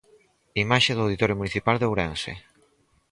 Imaxe do Auditorio Municipal de Ourense.